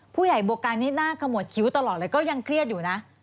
ผู้ใหญ่บัวการนี้หน้าขมวดคิ้วตลอดเลยก็ยังเครียดอยู่นะ